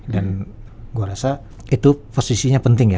dan gue rasa itu posisinya penting ya